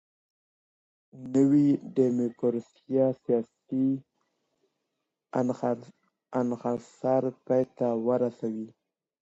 نوي ډيموکراسۍ سياسي انحصار پای ته ورساوه.